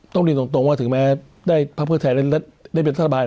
ต้องเรียนตรงตรงว่าถึงแม้ได้ภาพเวทยาลัยได้เป็นทราบาล